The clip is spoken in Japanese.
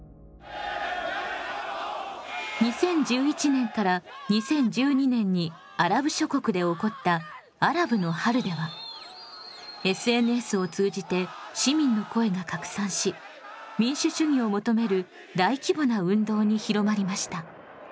２０１１年から２０１２年にアラブ諸国で起こったアラブの春ではＳＮＳを通じて市民の声が拡散し民主主義を求める大規模な運動に広まりました。